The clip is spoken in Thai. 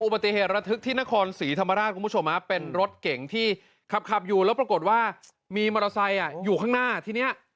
ปฏิเหตุระทึกที่นครศรีธรรมราชคุณผู้ชมเป็นรถเก่งที่ขับอยู่แล้วปรากฏว่ามีมอเตอร์ไซค์อยู่ข้างหน้าทีนี้